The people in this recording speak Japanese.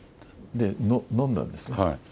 で、飲んだんですね。